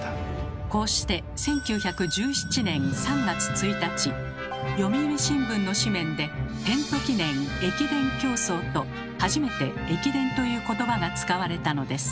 こうして読売新聞の紙面で「奠都記念駅伝競走」と初めて「駅伝」という言葉が使われたのです。